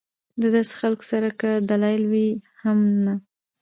د داسې خلکو سره کۀ دلائل وي هم نۀ